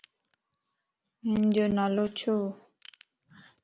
ھنَ جو نالو ڇو؟